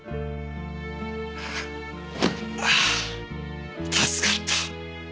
あぁ助かった。